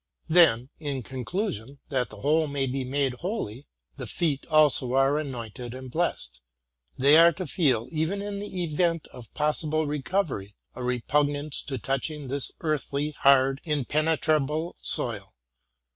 Then, in conclusion, that the whole may be made holy, the feet also are anointed and blessed. They are to feel, even ia the event of possible recovery, a repugnance to touching this earthly, hard, impenetrable soil.